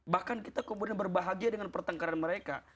bahkan kita kemudian berbahagia dengan pertengkaran mereka